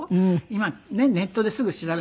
今ねっネットですぐ調べる。